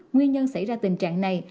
nguyên nhân xảy ra tình trạng này